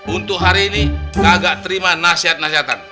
untuk hari ini kagak terima nasihat nasihatan